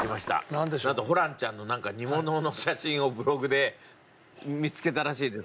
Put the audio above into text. なんとホランちゃんのなんか煮物の写真をブログで見つけたらしいです